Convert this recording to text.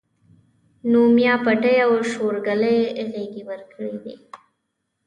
نو ميا پټي او شورګلې غېږې ورکړي دي